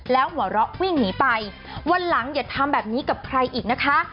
แล้วหัวเราะวิ่งหนีไปวันหลังอย่าทำแบบนี้กับใครอีกนะคะ